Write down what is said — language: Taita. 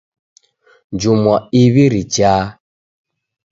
Njumwa iw'i richaa.